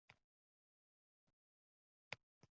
Shunday kitoblar bor: mavzusi zo‘r, yaxshi yozilgan